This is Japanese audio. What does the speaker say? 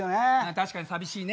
確かに寂しいね。